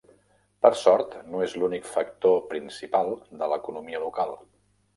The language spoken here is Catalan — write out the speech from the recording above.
Per sort no és l'únic factor principal de l'economia local.